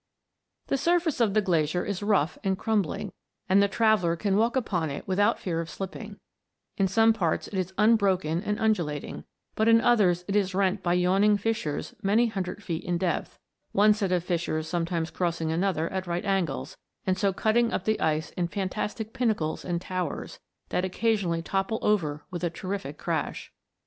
The surface of the glacier is rough and crumbling, and the traveller can walk upon it without fear of slipping ; in some parts it is unbroken and undulat ing, but in others it is rent by yawning fissures many hundred feet in depth, one set of fissures sometimes crossing another at right angles, and so cutting up the ice in fantastic pinnacles and towers, that occasionally topple over with a terrific crash.